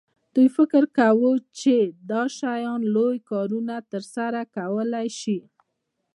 دوی فکر کاوه چې دا شیان لوی کارونه ترسره کولی شي